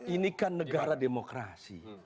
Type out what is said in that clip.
ini kan negara demokrasi